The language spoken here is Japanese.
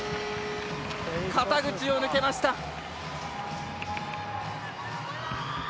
肩口を抜けました。